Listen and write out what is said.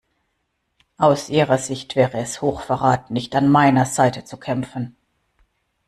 Aus ihrer Sicht wäre es Hochverrat, nicht an meiner Seite zu kämpfen.